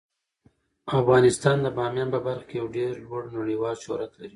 افغانستان د بامیان په برخه کې یو ډیر لوړ نړیوال شهرت لري.